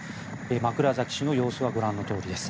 枕崎市の様子はご覧のとおりです。